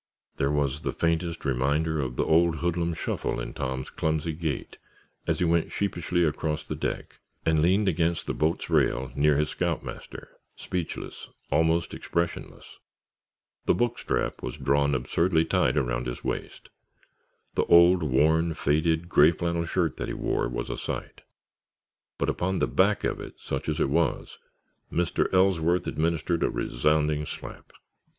There was the faintest reminder of the old hoodlum shuffle in Tom's clumsy gait as he went sheepishly across the deck and leaned against the boat's rail near his scoutmaster, speechless, almost expressionless. The book strap was drawn absurdly tight around his waist. The old, worn, faded gray flannel shirt that he wore was a sight. But upon the back of it, such as it was, Mr. Ellsworth administered a resounding slap.